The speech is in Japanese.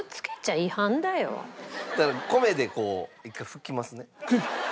だから米でこう１回拭きますね。